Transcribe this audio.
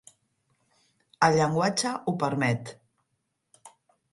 El llenguatge ho permet.